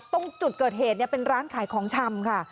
ตรงจุดเกิดเหตุเป็นร้านขายของชำค่ะ